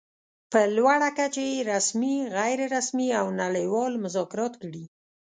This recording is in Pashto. په لوړه کچه يې رسمي، غیر رسمي او نړۍوال مذاکرات کړي.